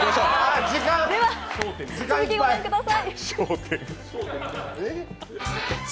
では、続きをご覧ください。